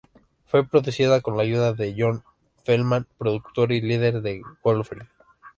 Fue producida con la ayuda de John Feldmann, productor y líder de Goldfinger.